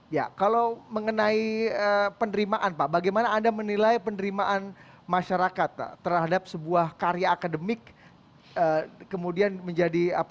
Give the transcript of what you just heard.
ya kalau mengenai penerimaan pak bagaimana anda menilai penerimaan masyarakat terhadap sebuah karya akademik kemudian menjadi apa